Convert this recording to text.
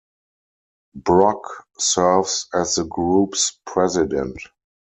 Brock serves as the group's president.